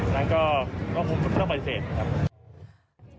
แล้วก็มุมพุทธภัยเสร็จครับ